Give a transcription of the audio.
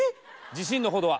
自信のほどは？